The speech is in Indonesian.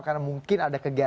karena mungkin ada kesimpulan